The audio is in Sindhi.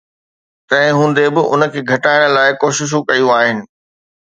تنهن هوندي به، ان کي گهٽائڻ لاء ڪوششون ڪيون آهن